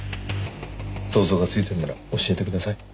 想像がついてるなら教えてください。